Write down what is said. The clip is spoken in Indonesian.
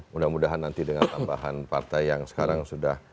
mudah mudahan nanti dengan tambahan partai yang sekarang sudah